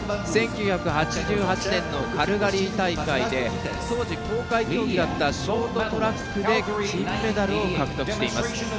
１９８８年のカルガリー大会で当時、公開競技だったショートトラックで金メダルを獲得しています。